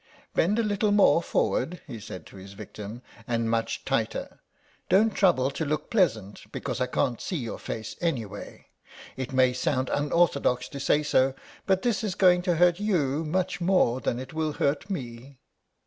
"Bend a little more forward," he said to the victim, "and much tighter. Don't trouble to look pleasant, because I can't see your face anyway. It may sound unorthodox to say so, but this is going to hurt you much more than it will hurt me."